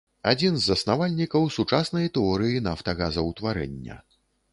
Адзін з заснавальнікаў сучаснай тэорыі нафтагазаўтварэння.